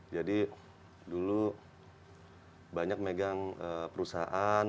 jadi dulu banyak megang perusahaan